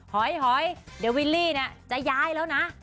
หอยเดี๋ยววินลี่จะย้ายแล้วนะ